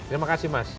terima kasih mas